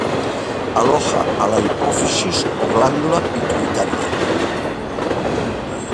Aloja a la hipófisis o glándula pituitaria.